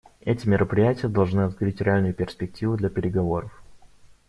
Эти мероприятия должны открыть реальную перспективу для переговоров.